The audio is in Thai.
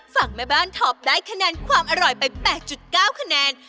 ฝั่งแม่บ้านท็อปได้คะแนนความอร่อยไป๘๙คะแนน